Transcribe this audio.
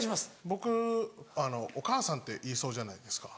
僕あの「お母さん」って言いそうじゃないですか。